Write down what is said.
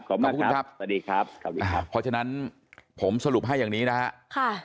ขอบคุณครับสวัสดีครับพอฉะนั้นผมสรุปให้อย่างนี้นะฮะค่ะ